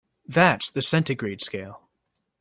That's the centigrade scale.